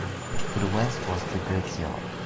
To the west was the goods yard.